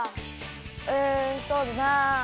うんそうだな。